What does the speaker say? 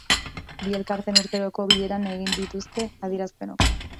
Bi elkarteen urteroko bileran egin dituzte adierazpenok.